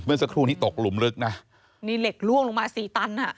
เมื่อสักครู่นี้ตกหลุมลึกนะ